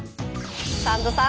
サンドさん